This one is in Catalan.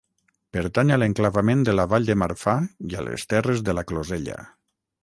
Pertany a l'enclavament de la Vall de Marfà i a les terres de la Closella.